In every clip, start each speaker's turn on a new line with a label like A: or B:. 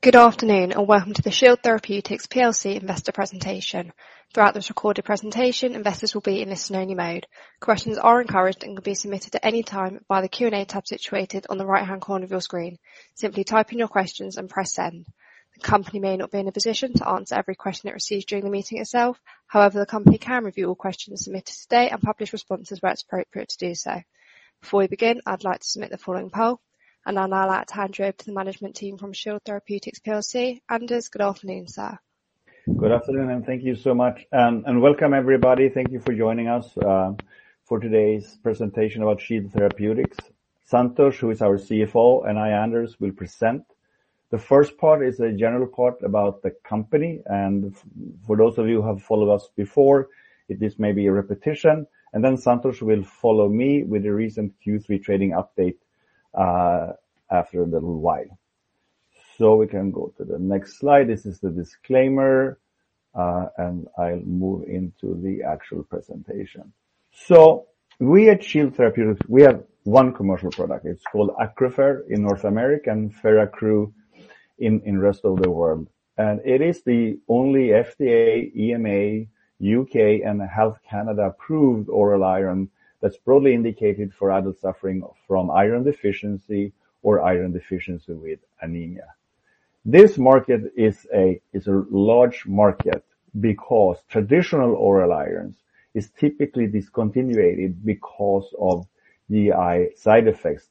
A: Good afternoon and welcome to the Shield Therapeutics Plc Investor presentation. Throughout this recorded presentation, investors will be in listen-only mode. Questions are encouraged and can be submitted at any time via the Q&A tab situated on the right-hand corner of your screen. Simply type in your questions and press send. The company may not be in a position to answer every question it receives during the meeting itself; however, the company can review all questions submitted today and publish responses where it's appropriate to do so. Before we begin, I'd like to submit the following poll, and I'll now allow it to hand over to the management team from Shield Therapeutics Plc. Anders, good afternoon, sir.
B: Good afternoon and thank you so much, and welcome everybody. Thank you for joining us for today's presentation about Shield Therapeutics. Santosh, who is our CFO, and I, Anders, will present. The first part is a general part about the company, and for those of you who have followed us before, this may be a repetition. And then Santosh will follow me with a recent Q3 trading update after a little while. So we can go to the next slide. This is the disclaimer, and I'll move into the actual presentation. So we at Shield Therapeutics, we have one commercial product. It's called ACCRUFeR in North America and Feraccru in the rest of the world. And it is the only FDA, EMA, U.K., and Health Canada approved oral iron that's broadly indicated for adults suffering from iron deficiency or iron deficiency with anemia. This market is a large market because traditional oral irons are typically discontinued because of GI side effects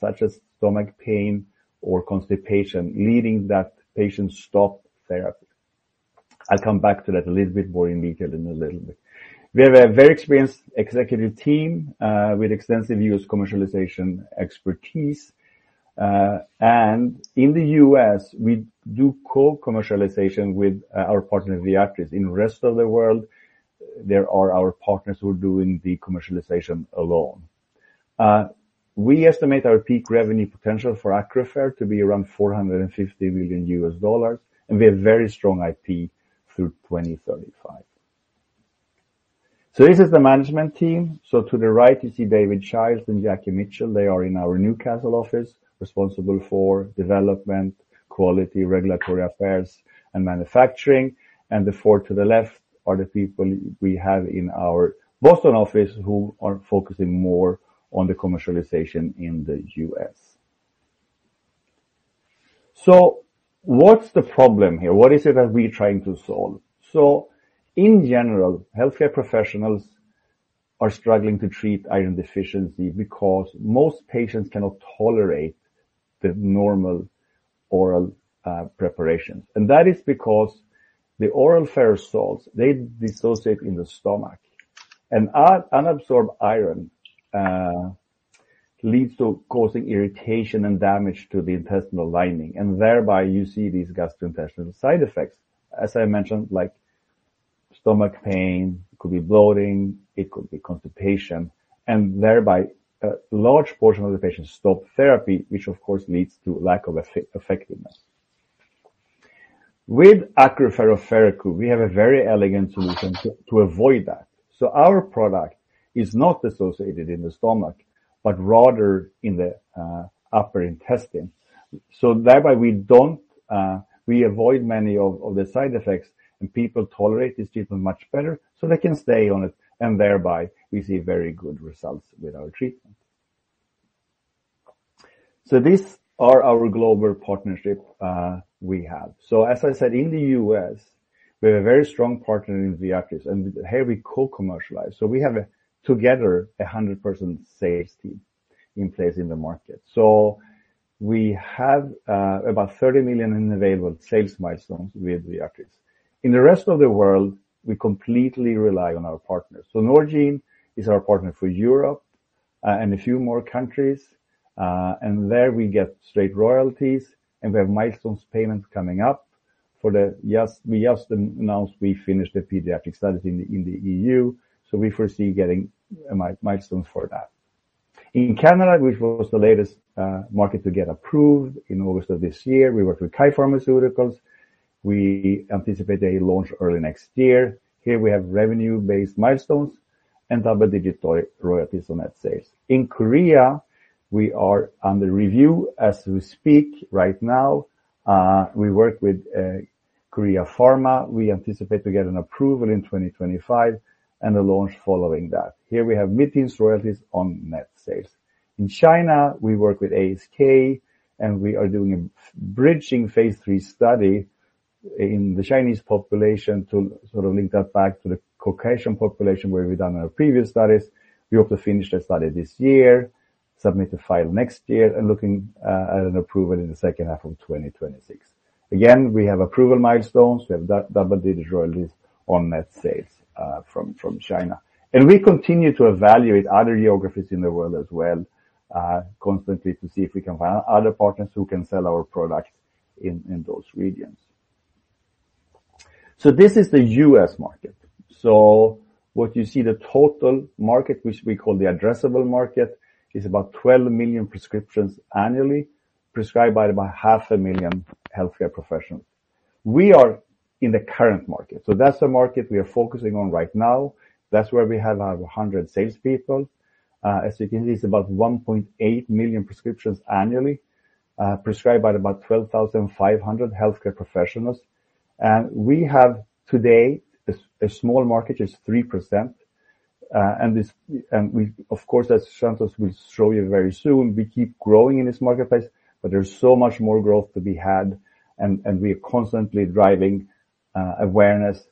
B: such as stomach pain or constipation, leading to that patients stop therapy. I'll come back to that a little bit more in detail in a little bit. We have a very experienced executive team with extensive U.S. commercialization expertise, and in the U.S., we do co-commercialization with our partner, Viatris. In the rest of the world, there are our partners who are doing the commercialization alone. We estimate our peak revenue potential for ACCRUFeR to be around $450 million, and we have very strong IP through 2035. This is the management team. To the right, you see David Childs and Jackie Mitchell. They are in our Newcastle office responsible for development, quality, regulatory affairs, and manufacturing. And the four to the left are the people we have in our Boston office who are focusing more on the commercialization in the U.S. So what's the problem here? What is it that we're trying to solve? So in general, healthcare professionals are struggling to treat iron deficiency because most patients cannot tolerate the normal oral preparations. And that is because the oral ferrous salts, they dissociate in the stomach, and unabsorbed iron leads to causing irritation and damage to the intestinal lining. And thereby, you see these gastrointestinal side effects, as I mentioned, like stomach pain. It could be bloating. It could be constipation. And thereby, a large portion of the patients stop therapy, which of course leads to lack of effectiveness. With ACCRUFeR or Feraccru, we have a very elegant solution to avoid that. Our product is not dissociated in the stomach, but rather in the upper intestine. Thereby, we avoid many of the side effects, and people tolerate this treatment much better, so they can stay on it. Thereby, we see very good results with our treatment. These are our global partnerships we have. As I said, in the U.S., we have a very strong partner in Viatris, and here we co-commercialize. We have together a 100% sales team in place in the market. We have about $30 million in available sales milestones with Viatris. In the rest of the world, we completely rely on our partners. Norgine is our partner for Europe and a few more countries. There we get straight royalties, and we have milestone payments coming up. We just announced we finished the pediatric studies in the E.U. So we foresee getting milestones for that. In Canada, which was the latest market to get approved in August of this year, we work with KYE Pharmaceuticals. We anticipate a launch early next year. Here we have revenue-based milestones and double-digit royalties on net sales. In Korea, we are under review as we speak right now. We work with Korea Pharma. We anticipate to get an approval in 2025 and a launch following that. Here we have mid-teens royalties on net sales. In China, we work with ASK, and we are doing a bridging phase three study in the Chinese population to sort of link that back to the Caucasian population where we've done our previous studies. We hope to finish the study this year, submit the file next year, and looking at an approval in the second half of 2026. Again, we have approval milestones. We have double-digit royalties on net sales from China, and we continue to evaluate other geographies in the world as well constantly to see if we can find other partners who can sell our product in those regions, so this is the U.S. market, so what you see, the total market, which we call the addressable market, is about 12 million prescriptions annually prescribed by about 500,000 healthcare professionals. We are in the current market, so that's the market we are focusing on right now. That's where we have our 100 salespeople. As you can see, it's about 1.8 million prescriptions annually prescribed by about 12,500 healthcare professionals, and we have today a small market, which is 3%, and we, of course, as Santosh will show you very soon, we keep growing in this marketplace, but there's so much more growth to be had. We are constantly driving awareness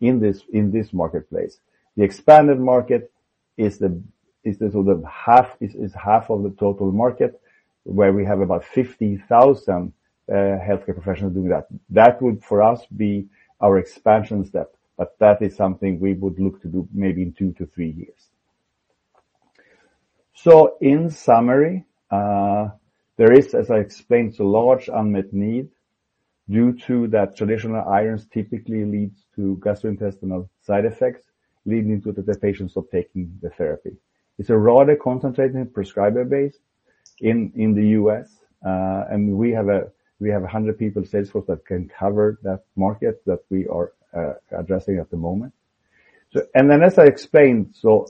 B: in this marketplace. The expanded market is sort of half of the total market where we have about 50,000 healthcare professionals doing that. That would, for us, be our expansion step, but that is something we would look to do maybe in two to three years. So in summary, there is, as I explained, a large unmet need due to that traditional irons typically lead to gastrointestinal side effects, leading to the patients stopping taking the therapy. It's a rather concentrated prescriber base in the U.S., and we have 100-person sales force that can cover that market that we are addressing at the moment. Then, as I explained, so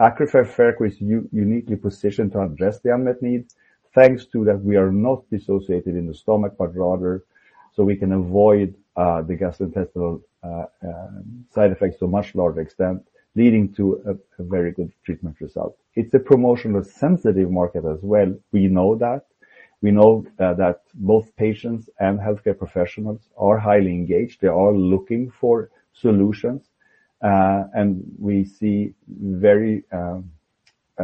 B: ACCRUFeR Feraccru is uniquely positioned to address the unmet need thanks to that we are not dissociated in the stomach, but rather so we can avoid the gastrointestinal side effects to a much larger extent, leading to a very good treatment result. It's a promotionally sensitive market as well. We know that. We know that both patients and healthcare professionals are highly engaged. They are looking for solutions, and we see a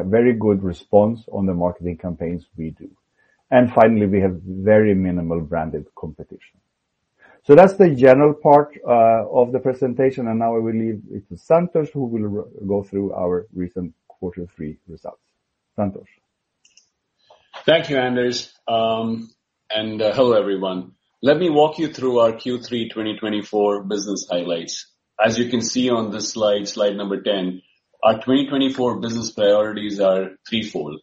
B: very good response on the marketing campaigns we do. And finally, we have very minimal branded competition. So that's the general part of the presentation, and now I will leave it to Santosh, who will go through our recent quarter three results. Santosh.
C: Thank you, Anders. And hello, everyone. Let me walk you through our Q3 2024 business highlights. As you can see on this slide, slide number 10, our 2024 business priorities are threefold: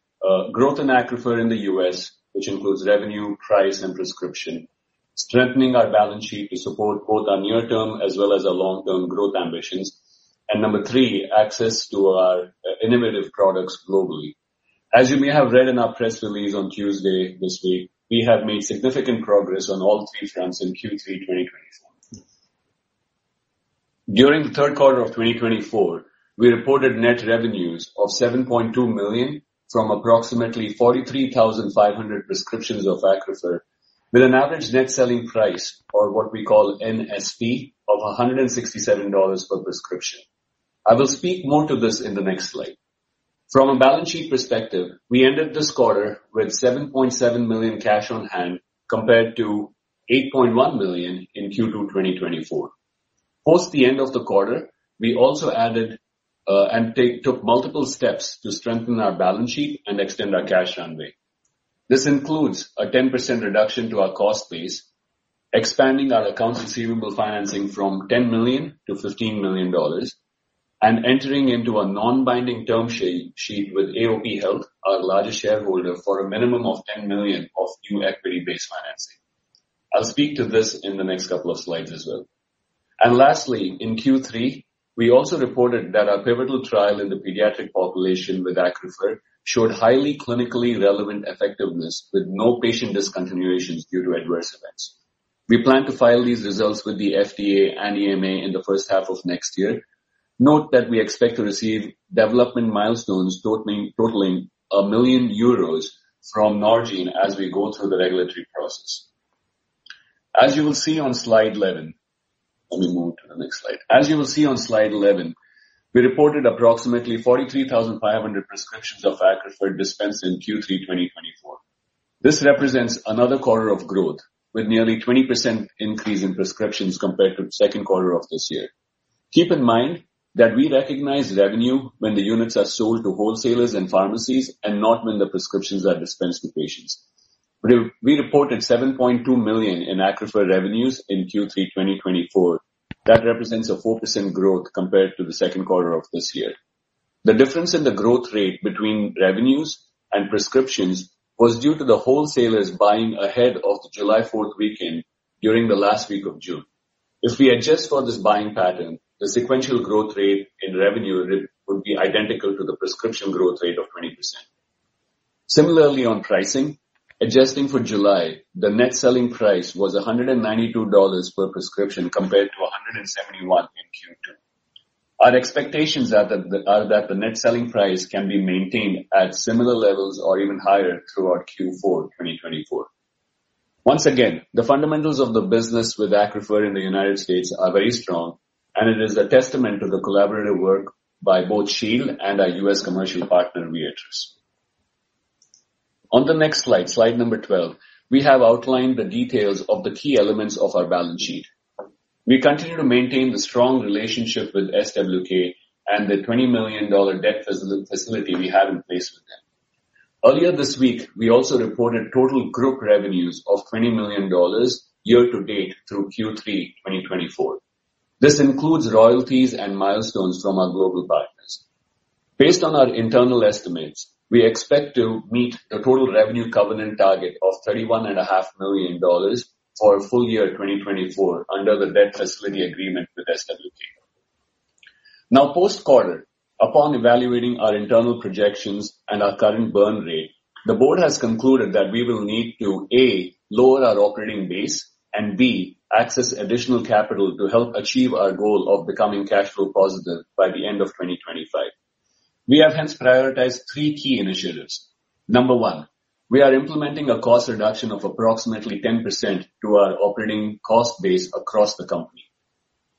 C: growth in ACCRUFeR in the U.S., which includes revenue, price, and prescription; strengthening our balance sheet to support both our near-term as well as our long-term growth ambitions; and number three, access to our innovative products globally. As you may have read in our press release on Tuesday this week, we have made significant progress on all three fronts in Q3 2024. During the third quarter of 2024, we reported net revenues of $7.2 million from approximately 43,500 prescriptions of ACCRUFeR, with an average net selling price, or what we call NSP, of $167 per prescription. I will speak more to this in the next slide. From a balance sheet perspective, we ended this quarter with $7.7 million cash on hand compared to $8.1 million in Q2 2024. Post the end of the quarter, we also added and took multiple steps to strengthen our balance sheet and extend our cash runway. This includes a 10% reduction to our cost base, expanding our accounts receivable financing from $10 million-$15 million, and entering into a non-binding term sheet with AOP Health, our largest shareholder, for a minimum of $10 million of new equity-based financing. I'll speak to this in the next couple of slides as well, and lastly, in Q3, we also reported that our pivotal trial in the pediatric population with ACCRUFeR showed highly clinically relevant effectiveness with no patient discontinuations due to adverse events. We plan to file these results with the FDA and EMA in the first half of next year. Note that we expect to receive development milestones totaling 1 million euros from Norgine as we go through the regulatory process. As you will see on slide 11, let me move to the next slide. As you will see on slide 11, we reported approximately 43,500 prescriptions of ACCRUFeR dispensed in Q3 2024. This represents another quarter of growth with nearly a 20% increase in prescriptions compared to the second quarter of this year. Keep in mind that we recognize revenue when the units are sold to wholesalers and pharmacies and not when the prescriptions are dispensed to patients. We reported $7.2 million in ACCRUFeR revenues in Q3 2024. That represents a 4% growth compared to the second quarter of this year. The difference in the growth rate between revenues and prescriptions was due to the wholesalers buying ahead of the July 4th weekend during the last week of June. If we adjust for this buying pattern, the sequential growth rate in revenue would be identical to the prescription growth rate of 20%. Similarly, on pricing, adjusting for July, the net selling price was $192 per prescription compared to $171 in Q2. Our expectations are that the net selling price can be maintained at similar levels or even higher throughout Q4 2024. Once again, the fundamentals of the business with ACCRUFeR in the United States are very strong, and it is a testament to the collaborative work by both Shield and our U.S. commercial partner, Viatris. On the next slide, slide number 12, we have outlined the details of the key elements of our balance sheet. We continue to maintain the strong relationship with SWK and the $20 million debt facility we have in place with them. Earlier this week, we also reported total group revenues of $20 million year to date through Q3 2024. This includes royalties and milestones from our global partners. Based on our internal estimates, we expect to meet the total revenue covenant target of $31.5 million for full year 2024 under the debt facility agreement with SWK. Now, post-quarter, upon evaluating our internal projections and our current burn rate, the board has concluded that we will need to, A, lower our operating base and, B, access additional capital to help achieve our goal of becoming cash flow positive by the end of 2025. We have hence prioritized three key initiatives. Number one, we are implementing a cost reduction of approximately 10% to our operating cost base across the company.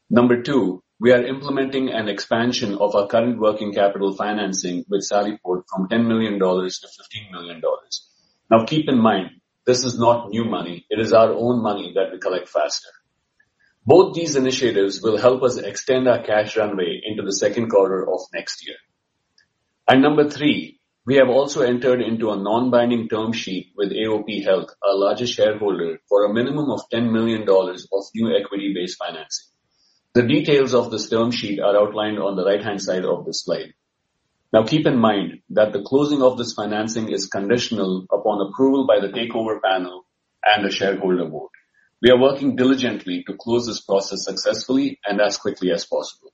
C: Number two, we are implementing an expansion of our current working capital financing with Sallyport from $10 million-$15 million. Now, keep in mind, this is not new money. It is our own money that we collect faster. Both these initiatives will help us extend our cash runway into the second quarter of next year, and number three, we have also entered into a non-binding term sheet with AOP Health, our largest shareholder, for a minimum of $10 million of new equity-based financing. The details of this term sheet are outlined on the right-hand side of this slide. Now, keep in mind that the closing of this financing is conditional upon approval by the Takeover Panel and the shareholder board. We are working diligently to close this process successfully and as quickly as possible.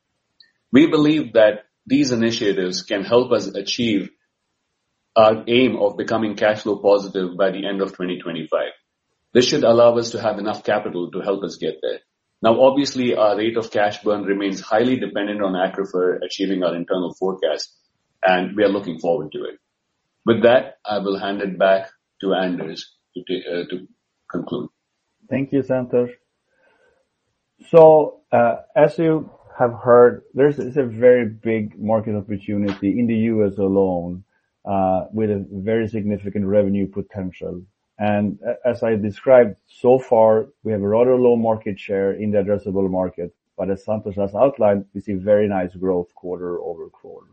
C: We believe that these initiatives can help us achieve our aim of becoming cash flow positive by the end of 2025. This should allow us to have enough capital to help us get there. Now, obviously, our rate of cash burn remains highly dependent on ACCRUFeR achieving our internal forecast, and we are looking forward to it. With that, I will hand it back to Anders to conclude.
B: Thank you, Santosh. As you have heard, there's a very big market opportunity in the U.S. alone with a very significant revenue potential. As I described so far, we have a rather low market share in the addressable market, but as Santosh has outlined, we see very nice growth quarter over quarter.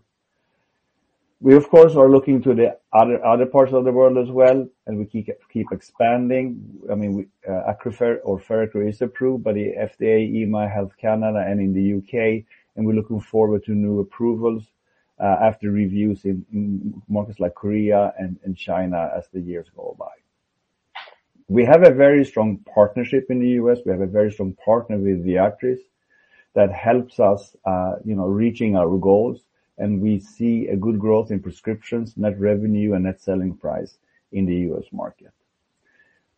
B: We, of course, are looking to the other parts of the world as well, and we keep expanding. I mean, ACCRUFeR or Feraccru is approved by the FDA, EMA, Health Canada, and in the U.K., and we're looking forward to new approvals after reviews in markets like Korea and China as the years go by. We have a very strong partnership in the U.S. We have a very strong partner with Viatris that helps us reach our goals, and we see a good growth in prescriptions, net revenue, and net selling price in the U.S. market.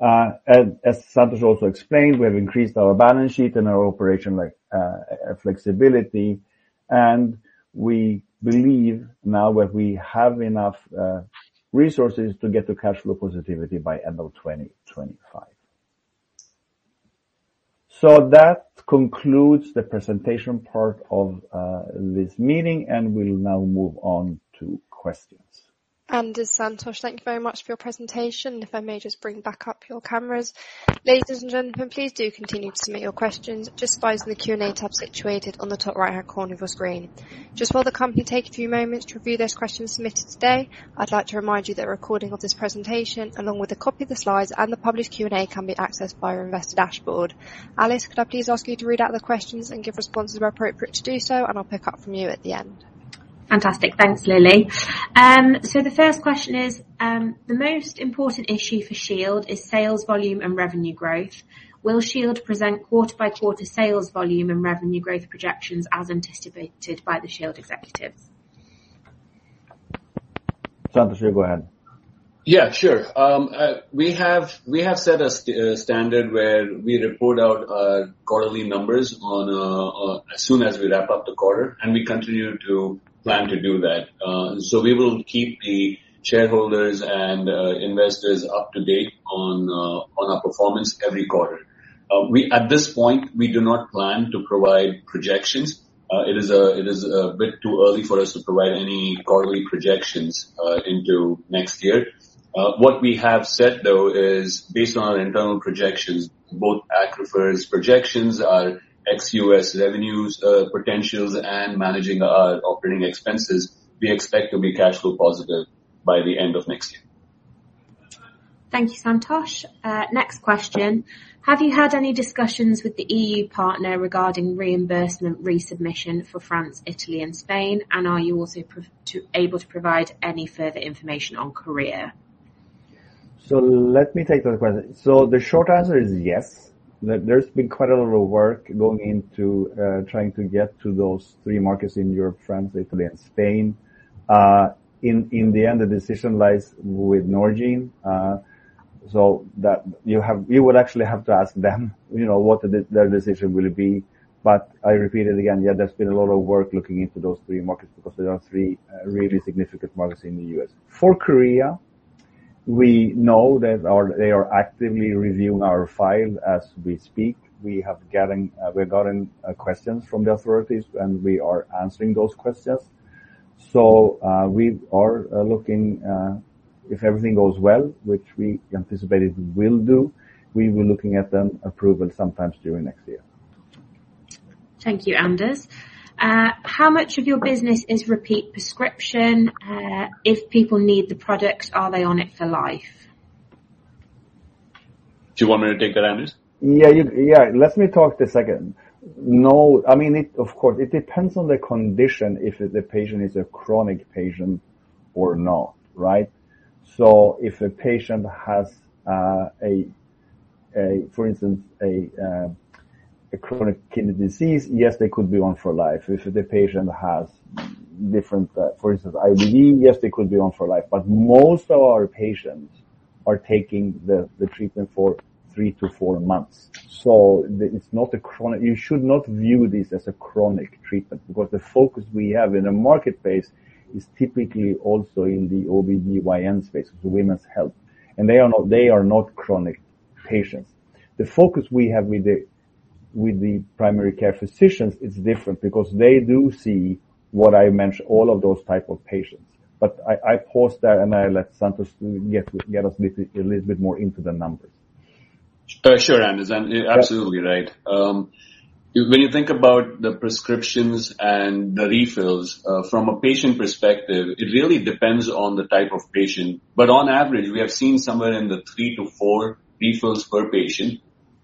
B: As Santosh also explained, we have increased our balance sheet and our operational flexibility, and we believe now that we have enough resources to get to cash flow positivity by end of 2025. So that concludes the presentation part of this meeting, and we'll now move on to questions.
A: Santosh, thank you very much for your presentation. If I may just bring back up your cameras. Ladies and gentlemen, please do continue to submit your questions just by using the Q&A tab situated on the top right-hand corner of your screen. Just while the company takes a few moments to review those questions submitted today, I'd like to remind you that a recording of this presentation, along with a copy of the slides and the published Q&A, can be accessed via our investor dashboard. Alice, could I please ask you to read out the questions and give responses where appropriate to do so, and I'll pick up from you at the end? Fantastic. Thanks, Lily. So the first question is, the most important issue for Shield is sales volume and revenue growth. Will Shield present quarter-by-quarter sales volume and revenue growth projections as anticipated by the Shield executives?
B: Santosh, you go ahead.
C: Yeah, sure. We have set a standard where we report out our quarterly numbers as soon as we wrap up the quarter, and we continue to plan to do that. So we will keep the shareholders and investors up to date on our performance every quarter. At this point, we do not plan to provide projections. It is a bit too early for us to provide any quarterly projections into next year. What we have said, though, is based on our internal projections, both ACCRUFeR's projections, our ex-U.S. revenues potentials, and managing our operating expenses, we expect to be cash flow positive by the end of next year. Thank you, Santosh. Next question. Have you had any discussions with the E.U. partner regarding reimbursement resubmission for France, Italy, and Spain, and are you also able to provide any further information on Korea?
B: So let me take that question. So the short answer is yes. There's been quite a lot of work going into trying to get to those three markets in Europe, France, Italy, and Spain. In the end, the decision lies with Norgine. So you would actually have to ask them what their decision will be. But I repeat it again, yeah, there's been a lot of work looking into those three markets because they are three really significant markets in the U.S. For Korea, we know that they are actively reviewing our file as we speak. We have gotten questions from the authorities, and we are answering those questions. So we are looking, if everything goes well, which we anticipate it will do, we will be looking at an approval sometime during next year. Thank you, Anders. How much of your business is repeat prescription? If people need the products, are they on it for life?
C: Do you want me to take that, Anders?
B: Yeah, yeah, let me take the second. No, I mean, of course, it depends on the condition if the patient is a chronic patient or not, right? So if a patient has, for instance, chronic kidney disease, yes, they could be on for life. If the patient has, for instance, IBD, yes, they could be on for life. But most of our patients are taking the treatment for three to four months. So it's not a chronic; you should not view this as a chronic treatment because the focus we have in the marketplace is typically also in the OBGYN space, women's health, and they are not chronic patients. The focus we have with the primary care physicians is different because they do see what I mentioned, all of those types of patients. But I paused there and I let Santosh get us a little bit more into the numbers.
C: Sure, Anders. Absolutely right. When you think about the prescriptions and the refills, from a patient perspective, it really depends on the type of patient. But on average, we have seen somewhere in the three to four refills per patient,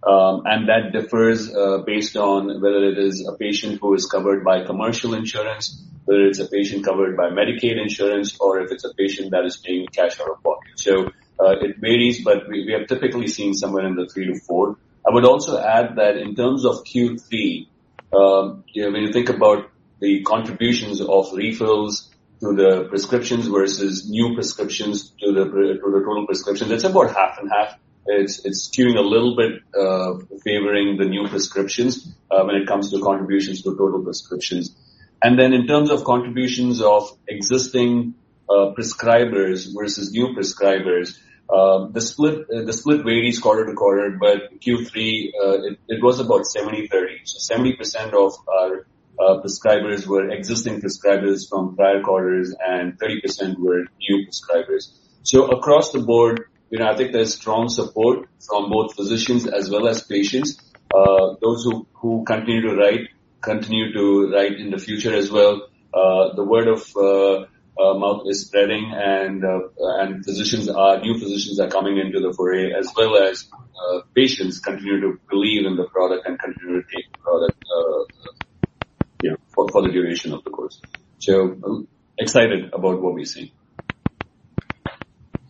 C: and that differs based on whether it is a patient who is covered by commercial insurance, whether it's a patient covered by Medicaid insurance, or if it's a patient that is paying cash out of pocket. So it varies, but we have typically seen somewhere in the three to four. I would also add that in terms of Q3, when you think about the contributions of refills to the prescriptions versus new prescriptions to the total prescriptions, it's about half and half. It's skewing a little bit favoring the new prescriptions when it comes to contributions to total prescriptions. And then in terms of contributions of existing prescribers versus new prescribers, the split varies quarter to quarter, but Q3, it was about 70%-30%. So 70% of our prescribers were existing prescribers from prior quarters and 30% were new prescribers. So across the board, I think there's strong support from both physicians as well as patients. Those who continue to write, continue to write in the future as well. The word of mouth is spreading and new physicians are coming into the foray as well as patients continue to believe in the product and continue to take the product for the duration of the course. So excited about what we're seeing.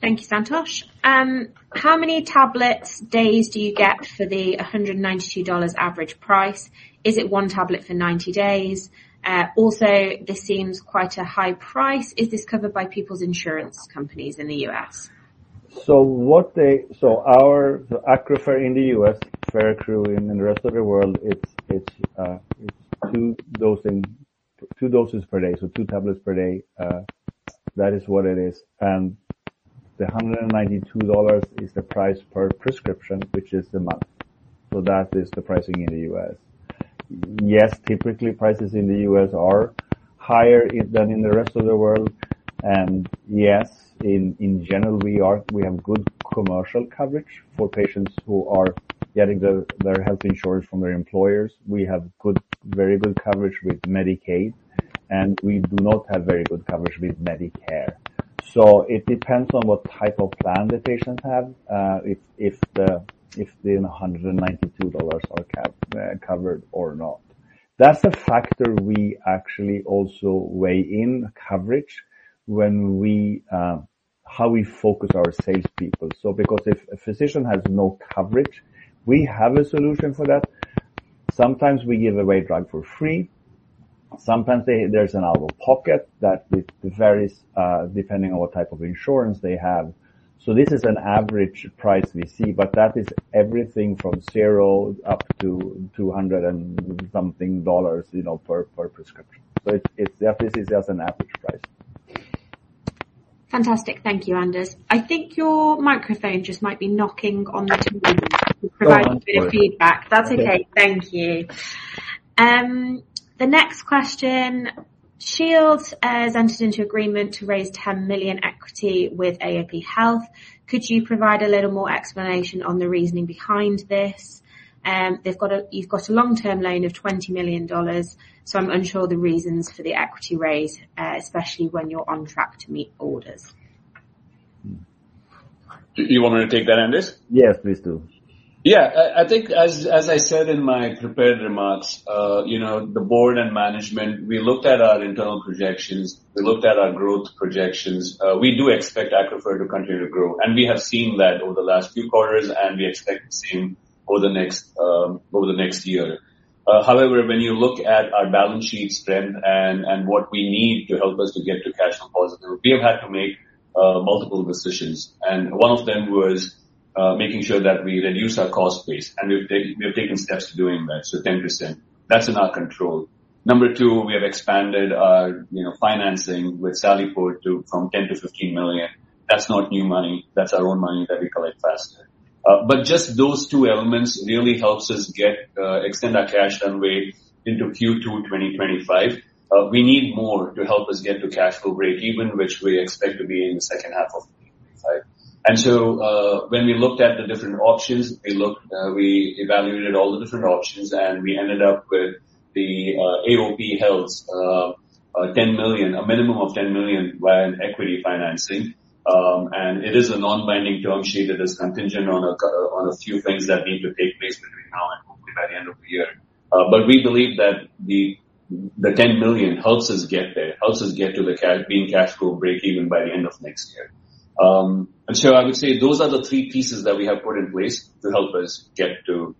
C: Thank you, Santosh. How many tablets days do you get for the $192 average price? Is it one tablet for 90 days? Also, this seems quite a high price. Is this covered by people's insurance companies in the U.S.?
B: Our ACCRUFeR in the U.S., Feraccru in the rest of the world, it's two doses per day, so two tablets per day. That is what it is. And the $192 is the price per prescription, which is the month. So that is the pricing in the U.S. Yes, typically prices in the U.S. are higher than in the rest of the world. And yes, in general, we have good commercial coverage for patients who are getting their health insurance from their employers. We have very good coverage with Medicaid, and we do not have very good coverage with Medicare. So it depends on what type of plan the patients have if the $192 are covered or not. That's a factor we actually also weigh in coverage when we focus our salespeople. So because if a physician has no coverage, we have a solution for that. Sometimes we give away drugs for free. Sometimes there's an out-of-pocket that varies depending on what type of insurance they have. So this is an average price we see, but that is everything from $0 up to $200 and something per prescription. So this is just an average price. Fantastic. Thank you, Anders. I think your microphone just might be knocking on the table. You provided a bit of feedback. That's okay. Thank you. The next question. Shield has entered into agreement to raise 10 million equity with AOP Health. Could you provide a little more explanation on the reasoning behind this? You've got a long-term loan of $20 million, so I'm unsure of the reasons for the equity raise, especially when you're on track to meet orders.
C: You want me to take that, Anders?
B: Yes, please do.
C: Yeah. I think, as I said in my prepared remarks, the board and management, we looked at our internal projections. We looked at our growth projections. We do expect ACCRUFeR to continue to grow, and we have seen that over the last few quarters, and we expect the same over the next year. However, when you look at our balance sheet strength and what we need to help us to get to cash flow positive, we have had to make multiple decisions. And one of them was making sure that we reduce our cost base, and we've taken steps to doing that, so 10%. That's in our control. Number two, we have expanded our financing with Sallyport from $10 million-$15 million. That's not new money. That's our own money that we collect faster. But just those two elements really help us extend our cash runway into Q2 2025. We need more to help us get to cash flow break even, which we expect to be in the second half of 2025, and so when we looked at the different options, we evaluated all the different options, and we ended up with the AOP Health's $10 million, a minimum of $10 million via equity financing. And it is a non-binding term sheet that is contingent on a few things that need to take place between now and hopefully by the end of the year, but we believe that the $10 million helps us get there, helps us get to the being cash flow break even by the end of next year, and so I would say those are the three pieces that we have put in place to help us get to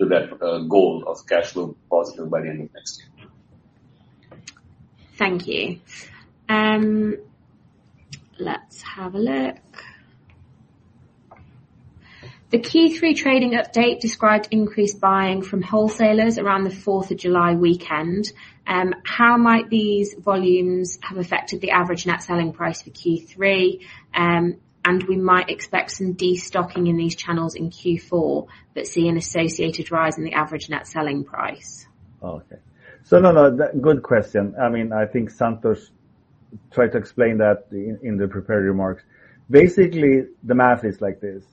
C: that goal of cash flow positive by the end of next year. Thank you. Let's have a look. The Q3 trading update described increased buying from wholesalers around the 4th of July weekend. How might these volumes have affected the average net selling price for Q3, and we might expect some destocking in these channels in Q4, but see an associated rise in the average net selling price.
B: Okay. No, no, good question. I mean, I think Santosh tried to explain that in the prepared remarks. Basically, the math is like this.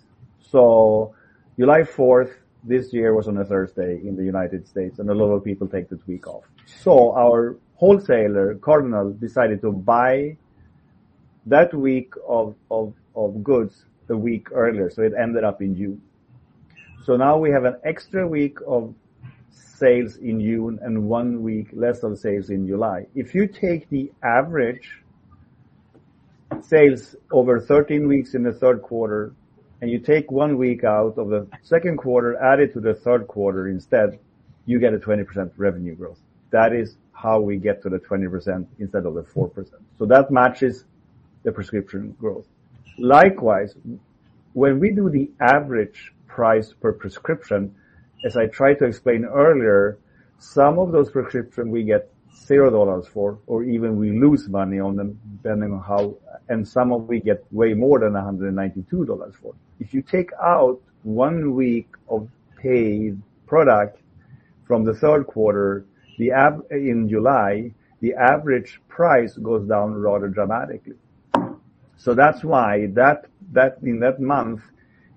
B: July 4th this year was on a Thursday in the United States, and a lot of people take that week off. So our wholesaler, Cardinal, decided to buy that week of goods a week earlier, so it ended up in June. So now we have an extra week of sales in June and one week less of sales in July. If you take the average sales over 13 weeks in the third quarter and you take one week out of the second quarter, add it to the third quarter instead, you get a 20% revenue growth. That is how we get to the 20% instead of the 4%. So that matches the prescription growth. Likewise, when we do the average price per prescription, as I tried to explain earlier, some of those prescriptions we get $0 for, or even we lose money on them depending on how, and some of them we get way more than $192 for. If you take out one week of paid product from the third quarter, in July, the average price goes down rather dramatically. So that's why in that month,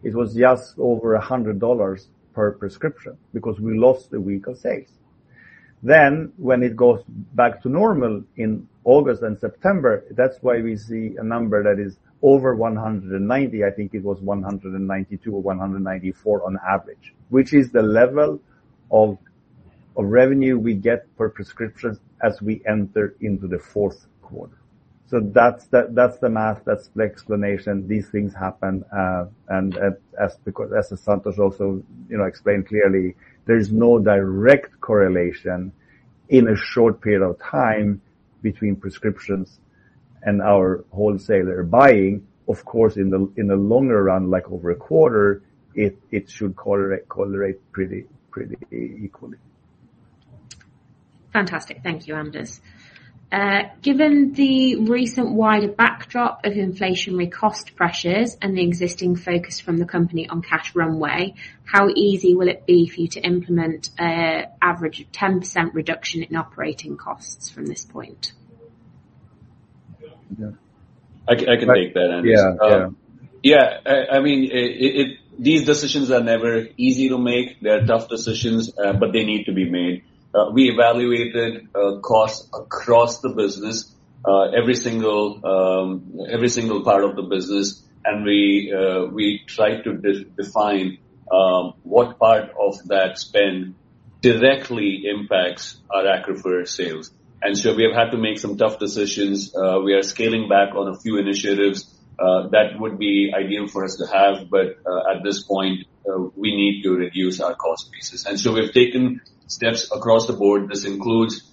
B: it was just over $100 per prescription because we lost a week of sales. Then when it goes back to normal in August and September, that's why we see a number that is over 190. I think it was 192 or 194 on average, which is the level of revenue we get per prescription as we enter into the fourth quarter. So that's the math, that's the explanation. These things happen. And as Santosh also explained clearly, there's no direct correlation in a short period of time between prescriptions and our wholesaler buying. Of course, in the longer run, like over a quarter, it should correlate pretty equally. Fantastic. Thank you, Anders. Given the recent wider backdrop of inflationary cost pressures and the existing focus from the company on cash runway, how easy will it be for you to implement an average of 10% reduction in operating costs from this point?
C: I can take that, Anders. Yeah. I mean, these decisions are never easy to make. They're tough decisions, but they need to be made. We evaluated costs across the business, every single part of the business, and we tried to define what part of that spend directly impacts our ACCRUFeR sales, and so we have had to make some tough decisions. We are scaling back on a few initiatives that would be ideal for us to have, but at this point, we need to reduce our cost basis, and so we've taken steps across the board. This includes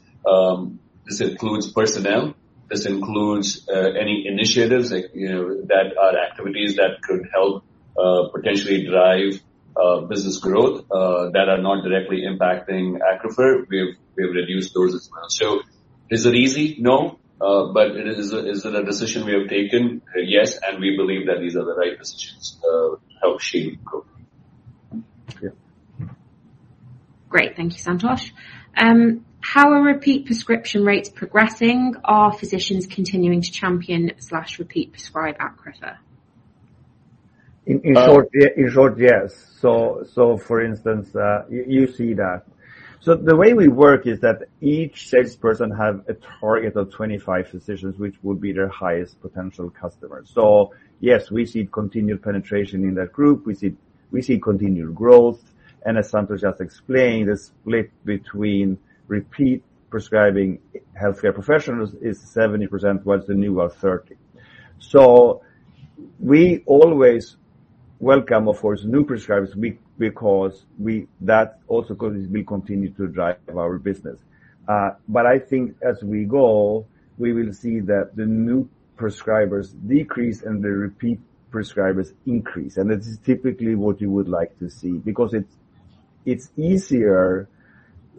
C: personnel. This includes any initiatives that are activities that could help potentially drive business growth that are not directly impacting ACCRUFeR. We have reduced those as well, so is it easy? No. But is it a decision we have taken? Yes. We believe that these are the right decisions to help shape growth. Great. Thank you, Santosh. How are repeat prescription rates progressing? Are physicians continuing to champion or repeat prescribe ACCRUFeR?
B: In short, yes. So for instance, you see that. So the way we work is that each salesperson has a target of 25 physicians, which would be their highest potential customers. So yes, we see continued penetration in that group. We see continued growth. And as Santosh just explained, the split between repeat prescribing healthcare professionals is 70%, while the new are 30%. So we always welcome, of course, new prescribers because that also will continue to drive our business. But I think as we go, we will see that the new prescribers decrease and the repeat prescribers increase. And this is typically what you would like to see because it's easier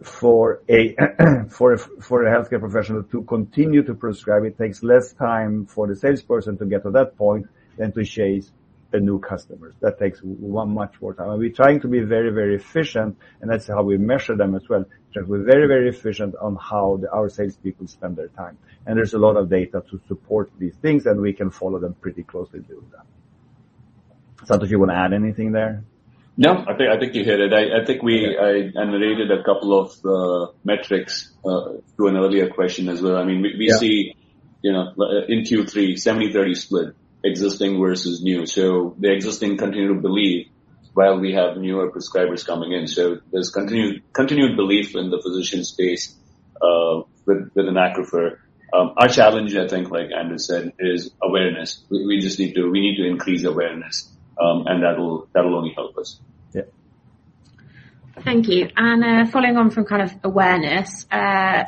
B: for a healthcare professional to continue to prescribe. It takes less time for the salesperson to get to that point than to chase the new customers. That takes much more time. We're trying to be very, very efficient, and that's how we measure them as well. We're very, very efficient on how our salespeople spend their time. There's a lot of data to support these things, and we can follow them pretty closely to do that. Santosh, you want to add anything there?
C: No. I think you hit it. I think we annotated a couple of metrics to an earlier question as well. I mean, we see in Q3, 70%-30% split, existing versus new. So the existing continue to believe while we have newer prescribers coming in. So there's continued belief in the physician space within ACCRUFeR. Our challenge, I think, like Anders said, is awareness. We need to increase awareness, and that'll only help us. Thank you, and following on from kind of awareness,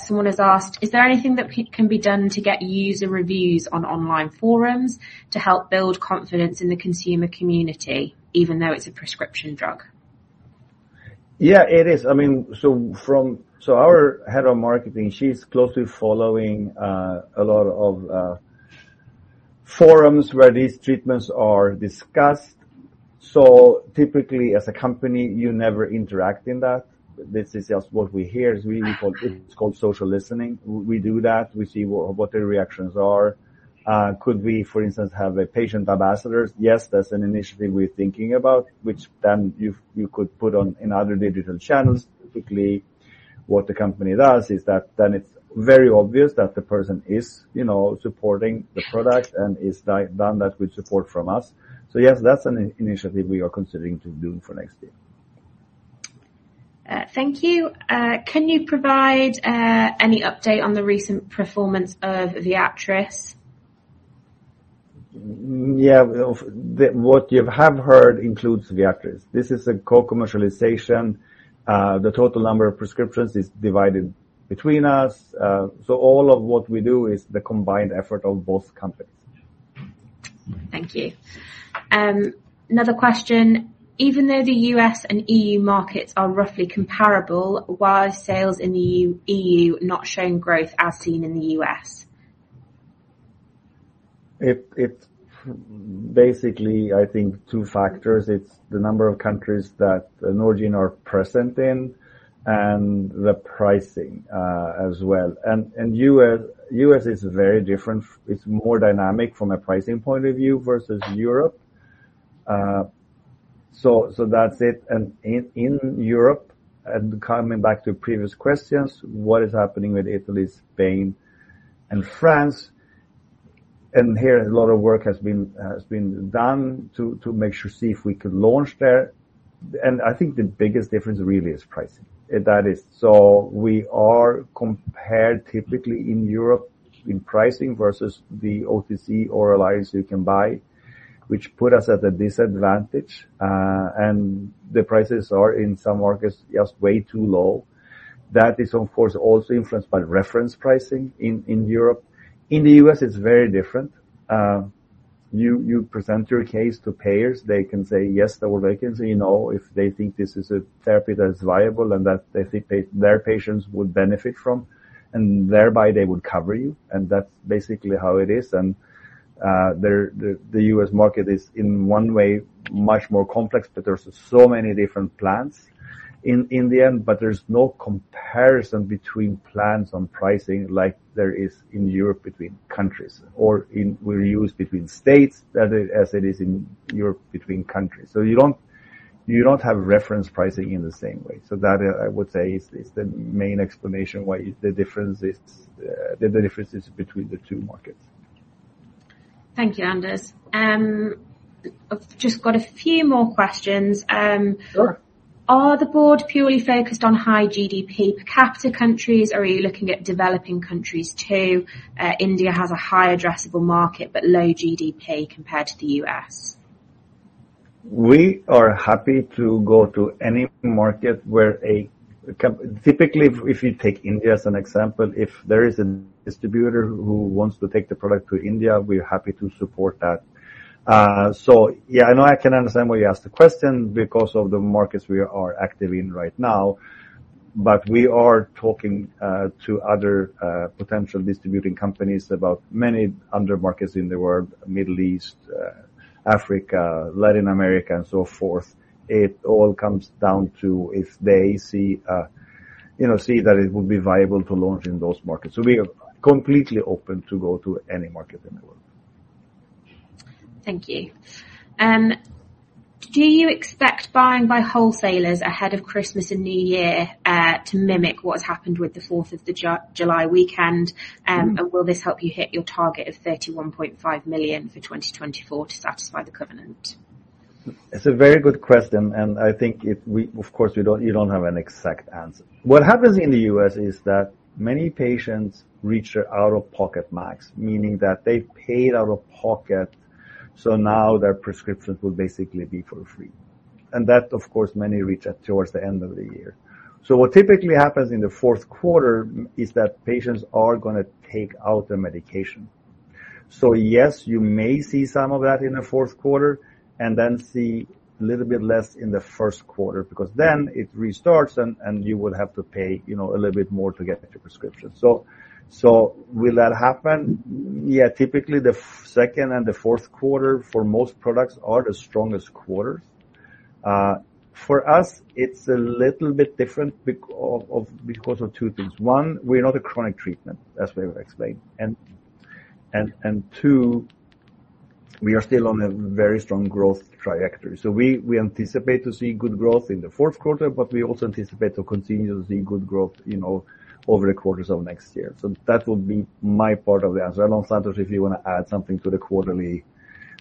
C: someone has asked, is there anything that can be done to get user reviews on online forums to help build confidence in the consumer community, even though it's a prescription drug?
B: Yeah, it is. I mean, so our head of marketing, she's closely following a lot of forums where these treatments are discussed. So typically, as a company, you never interact in that. This is just what we hear. It's called social listening. We do that. We see what their reactions are. Could we, for instance, have a patient ambassador? Yes, that's an initiative we're thinking about, which then you could put on in other digital channels. Typically, what the company does is that then it's very obvious that the person is supporting the product and has done that with support from us. So yes, that's an initiative we are considering to do for next year. Thank you. Can you provide any update on the recent performance of Viatris? Yeah. What you have heard includes Viatris. This is a co-commercialization. The total number of prescriptions is divided between us. So all of what we do is the combined effort of both companies. Thank you. Another question. Even though the U.S. and E.U. markets are roughly comparable, why are sales in the E.U. not showing growth as seen in the U.S.? Basically, I think two factors. It's the number of countries that Norgine are present in and the pricing as well. The U.S. is very different. It's more dynamic from a pricing point of view versus Europe. That's it. In Europe, coming back to previous questions, what is happening with Italy, Spain, and France? Here, a lot of work has been done to make sure to see if we could launch there. I think the biggest difference really is pricing. We are compared typically in Europe in pricing versus the OTC or alliance you can buy, which put us at a disadvantage. The prices are in some markets just way too low. That is, of course, also influenced by reference pricing in Europe. In the U.S., it's very different. You present your case to payers. They can say yes or they can say no if they think this is a therapy that is viable and that they think their patients would benefit from, and thereby they would cover you. And that's basically how it is. And the U.S. market is, in one way, much more complex, but there's so many different plans in the end. But there's no comparison between plans on pricing like there is in Europe between countries or even between states as it is in Europe between countries. So you don't have reference pricing in the same way. So that, I would say, is the main explanation why the difference is between the two markets. Thank you, Anders. I've just got a few more questions. Are the board purely focused on high GDP per capita countries, or are you looking at developing countries too? India has a high addressable market, but low GDP compared to the U.S. We are happy to go to any market where, typically, if you take India as an example, if there is a distributor who wants to take the product to India, we're happy to support that. So yeah, I know I can understand why you asked the question because of the markets we are active in right now. But we are talking to other potential distributing companies about many other markets in the world: Middle East, Africa, Latin America, and so forth. It all comes down to if they see that it would be viable to launch in those markets. So we are completely open to go to any market in the world. Thank you. Do you expect buying by wholesalers ahead of Christmas and New Year to mimic what's happened with the 4th of July weekend? And will this help you hit your target of $31.5 million for 2024 to satisfy the covenant? It's a very good question. And I think, of course, you don't have an exact answer. What happens in the U.S. is that many patients reach their out-of-pocket max, meaning that they paid out of pocket. So now their prescriptions will basically be for free. And that, of course, many reach towards the end of the year. So what typically happens in the fourth quarter is that patients are going to take out their medication. So yes, you may see some of that in the fourth quarter and then see a little bit less in the first quarter because then it restarts and you will have to pay a little bit more to get your prescription. So will that happen? Yeah. Typically, the second and the fourth quarter for most products are the strongest quarters. For us, it's a little bit different because of two things. One, we're not a chronic treatment, as we have explained. And two, we are still on a very strong growth trajectory. So we anticipate to see good growth in the fourth quarter, but we also anticipate to continue to see good growth over the quarters of next year. So that would be my part of the answer. I don't know, Santosh, if you want to add something to the quarterly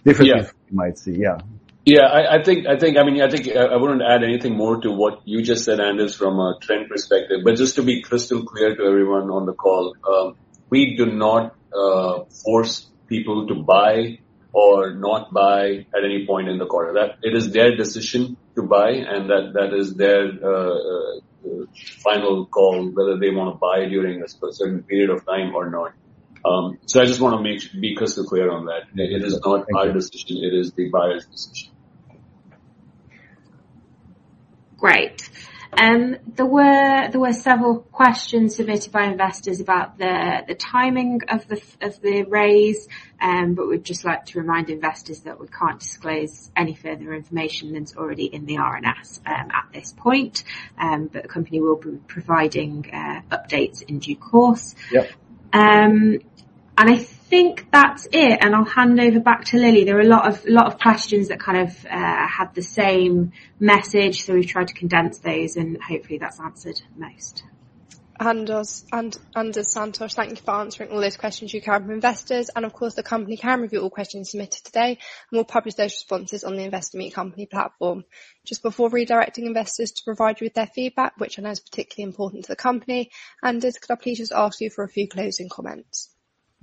B: differences we might see. Yeah.
C: Yeah. I mean, I think I wouldn't add anything more to what you just said, Anders, from a trend perspective. But just to be crystal clear to everyone on the call, we do not force people to buy or not buy at any point in the quarter. It is their decision to buy, and that is their final call, whether they want to buy during a certain period of time or not. So I just want to be crystal clear on that. It is not our decision. It is the buyer's decision. Great. There were several questions submitted by investors about the timing of the raise, but we'd just like to remind investors that we can't disclose any further information that's already in the RNS at this point, but the company will be providing updates in due course, and I think that's it, and I'll hand over back to Lily. There were a lot of questions that kind of had the same message, so we've tried to condense those, and hopefully, that's answered most.
A: Anders, Santosh, thank you for answering all those questions you've had from investors. Of course, the company can review all questions submitted today and will publish those responses on the Investor Meet Company platform. Just before redirecting investors to provide you with their feedback, which I know is particularly important to the company, Anders, could I please just ask you for a few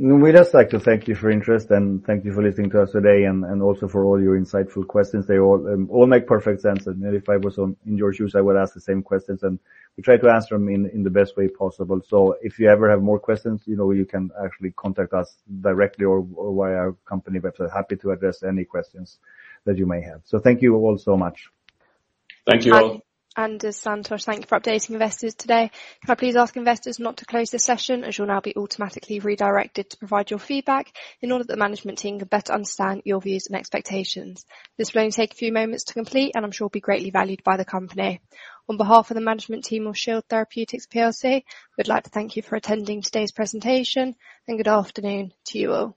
A: closing comments?
B: We'd just like to thank you for your interest and thank you for listening to us today and also for all your insightful questions. They all make perfect sense, and if I was in your shoes, I would ask the same questions, and we try to answer them in the best way possible, so if you ever have more questions, you can actually contact us directly or via our company website. Happy to address any questions that you may have, so thank you all so much.
C: Thank you all.
A: Anders, Santosh, thank you for updating investors today. Can I please ask investors not to close the session as you'll now be automatically redirected to provide your feedback in order that the management team can better understand your views and expectations? This will only take a few moments to complete, and I'm sure it'll be greatly valued by the company. On behalf of the management team of Shield Therapeutics Plc, we'd like to thank you for attending today's presentation, and good afternoon to you all.